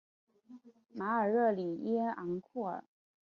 马尔热里耶昂库尔。